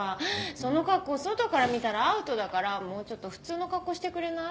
その格好外から見たらアウトだからもうちょっと普通の格好してくれない？